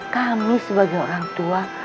kami sebagai orang tua